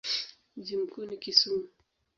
Mji mkuu ni Kisumu.